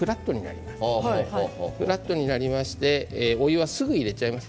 フラットになりましてお湯は、すぐに入れちゃいます。